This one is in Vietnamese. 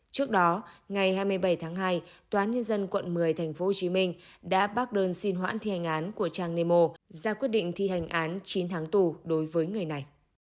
trước đó ngày hai mươi bảy tháng hai tòa án nhân dân quận một mươi tp hcm đã bác đơn xin hoãn thi hành án của trang nemo ra quyết định thi hành án chín tháng tù đối với người này